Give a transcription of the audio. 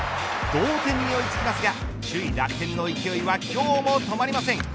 同点に追いつきますが首位楽天の勢いは今日も止まりません。